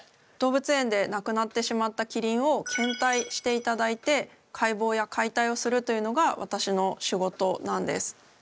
動物園で亡くなってしまったキリンを献体していただいて解剖や解体をするというのが私の仕事なんです。